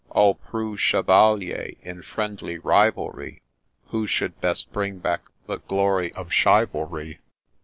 All Preux Chevaliers, in friendly rivalry Who should best bring back the glory of Chi valry.